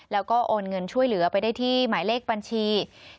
แล้วก็โอนเงินช่วยเหลือไปได้ที่หมายเลขบัญชี